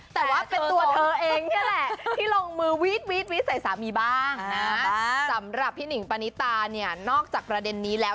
แต่ว่าเป็นตัวเองแนี่ยแหละ